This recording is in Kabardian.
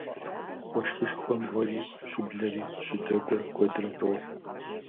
Уэшхышхуэм уэри щыблэри къыщыдэкӏуэ куэдрэ къохъу.